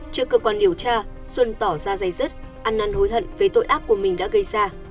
trước cơ quan điều tra xuân tỏ ra dây dứt ăn năn hối hận về tội ác của mình đã gây ra